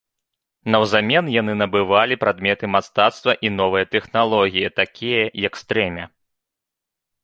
Наўзамен яны набывалі прадметы мастацтва і новыя тэхналогіі, такія, як стрэмя.